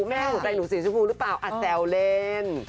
แม่หัวใจหนูสีชมพูหรือเปล่าแซวเล่น